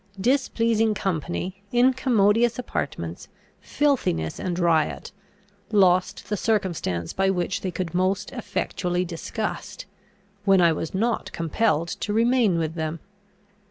Displeasing company, incommodious apartments, filthiness, and riot, lost the circumstance by which they could most effectually disgust, when I was not compelled to remain with them.